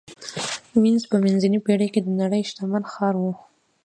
وینز په منځنۍ پېړۍ کې د نړۍ شتمن ښار و